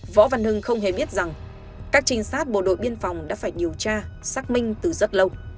võ văn hưng không hề biết rằng các trinh sát bộ đội biên phòng đã phải điều tra xác minh từ rất lâu